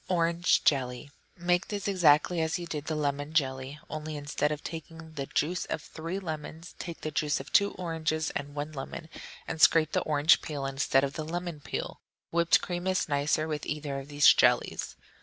Orange Jelly Make this exactly as you did the lemon jelly, only instead of taking the juice of three lemons, take the juice of two oranges and one lemon, and scrape the orange peel instead of the lemon peel. Whipped cream is nicer with either of these jellies.